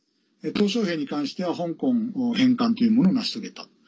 トウ小平に関しては香港の返還というものを成し遂げた。